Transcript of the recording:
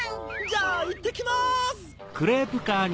じゃあいってきます！